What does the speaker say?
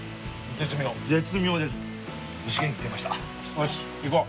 よし行こう。